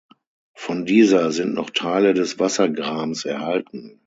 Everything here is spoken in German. Von dieser sind noch Teile des Wassergrabens erhalten.